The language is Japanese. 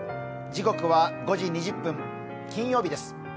時刻は５時２０分、金曜日です。